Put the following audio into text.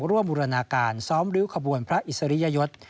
บูรณาการซ้อมริ้วขบวนพระอิสริยยศ